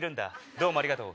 どうもありがとう！